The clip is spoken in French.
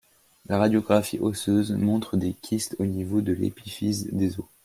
La radiographie osseuse montre des kystes au niveau de l'épiphyse des os.